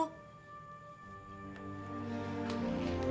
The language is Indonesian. oh gak ada apa apa